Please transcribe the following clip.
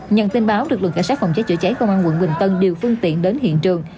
nhận tin báo lực lượng cảnh sát phòng cháy chữa cháy công an quận bình tân điều phương tiện đến hiện trường